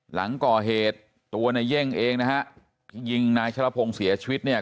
หลังก่อเหตุตัวในเย่งเองนะฮะยิงนายชะละพงศ์เสียชีวิตเนี่ย